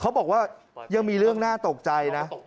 เขาบอกว่ายังมีเรื่องน่าตกใจนะ